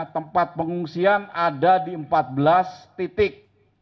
tempat pengungsian ada di empat belas titik